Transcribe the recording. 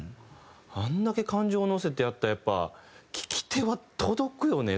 あんだけ感情乗せてやったらやっぱ聴き手は届くよね